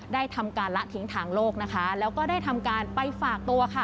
ได้ทำการละทิ้งทางโลกนะคะแล้วก็ได้ทำการไปฝากตัวค่ะ